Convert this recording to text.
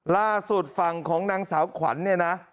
ล่าสุดฝั่งของนางสาวขวัญเนี่ยนะ